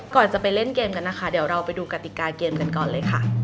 ก่อนจะไปเล่นเกมกันนะคะเดี๋ยวเราไปดูกติกาเกมกันก่อนเลยค่ะ